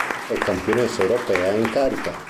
È Campionessa europea in carica.